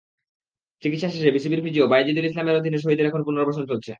চিকিৎসা শেষে বিসিবির ফিজিও বায়েজিদুল ইসলামের অধীনে শহীদের এখন পুনর্বাসন চলছে।